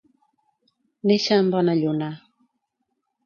Néixer amb bona lluna.